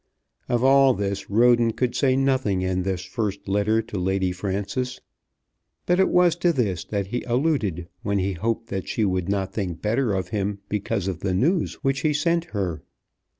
Of all this Roden could say nothing in this first letter to Lady Frances. But it was to this that he alluded when he hoped that she would not think better of him because of the news which he sent her.